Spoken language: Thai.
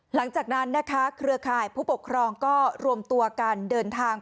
หลังจากนั้นนะคะเครือข่ายผู้ปกครองก็รวมตัวกันเดินทาง